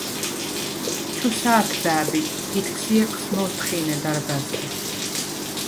– ჩუ ს’ათბა̄̈ბ ი ითქს ი უ̂ეჴს მ’ოთხუ̂ინე დარბა̈ზთე.